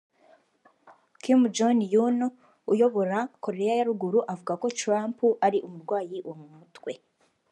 Kim Jon un uyobora Koreya ya Ruguru avuga ko Trump ari umurwayi wo mu mutwe